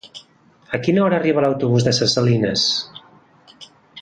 A quina hora arriba l'autobús de Ses Salines?